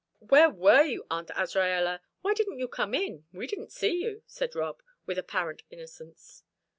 "Where were you, Aunt Azraella? Why didn't you come in? We didn't see you," said Rob, with apparent innocence.